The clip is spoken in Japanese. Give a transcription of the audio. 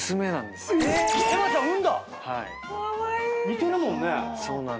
似てるもんね。